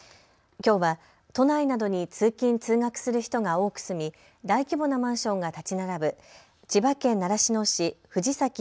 きょうは都内などに通勤・通学する人が多く住み大規模なマンションが建ち並ぶ千葉県習志野市藤崎